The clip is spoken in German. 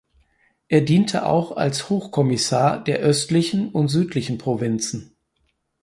Er diente auch als Hochkommissar der östlichen und südlichen Provinzen.